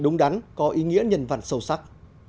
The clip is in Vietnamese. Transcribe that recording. đúng đắn có ý nghĩa nhân vật sâu sắc